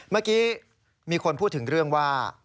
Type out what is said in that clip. เมื่อกี้มีคนพูดถึงเรื่องว่า